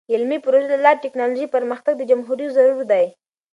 د علمي پروژو له لارې د ټیکنالوژۍ پرمختګ د جمهوری ضروری دی.